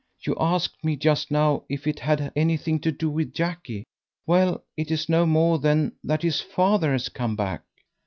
You asked me just now if it had anything to do with Jackie. Well, it is no more than that his father has come back."